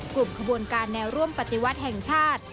กลุ่มขบวนการแนวร่วมปฏิวัติแห่งชาติ